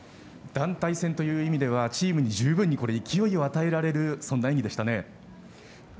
団体戦という意味ではチームに十分に勢いを与えられるそんな演技でしたね。